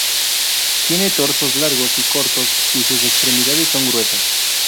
Tienen torsos largos y cortos y sus extremidades son gruesas.